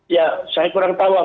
ya saya kurang tahu